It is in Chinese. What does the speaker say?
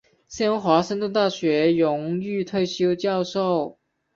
现为华盛顿大学荣誉退休教授。